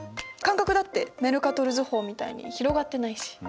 間隔だってメルカトル図法みたいに広がってないし。